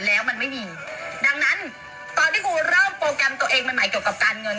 แต่มันประหลาดตรงที่ทุกครั้งที่เราเห็นแบงค์